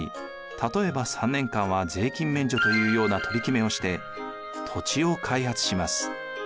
例えば３年間は税金免除というような取り決めをして土地を開発します。